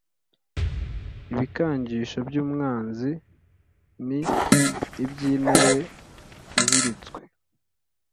Ibikangisho by'Umwanzi N' iby'intare iziritswe :